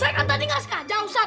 saya kan tadi gak sengaja ustadz